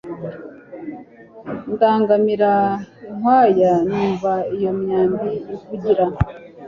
Ndangamira inkwaya numva iyo imyambi ivugira.